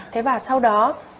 thế và sau đó